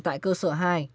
tại cơ sở hai